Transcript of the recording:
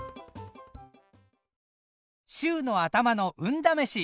週の頭の運だめし。